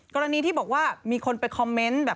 กรณีที่บอกว่ามีคนไปคอมเมนต์แบบ